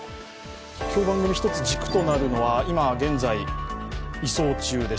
今日番組、１つ軸となるのは、今現在、移送中です。